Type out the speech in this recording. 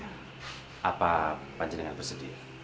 apa panjengengan bersedia